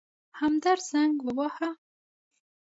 همدرد زنګ وواهه.